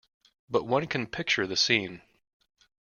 But one can picture the scene.